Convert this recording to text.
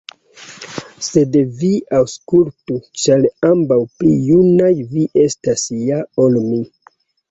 Sed vi aŭskultu, ĉar ambaŭ pli junaj vi estas ja ol mi.